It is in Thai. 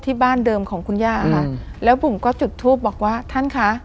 บ้านเดิมของคุณย่าค่ะแล้วบุ๋มก็จุดทูปบอกว่าท่านคะ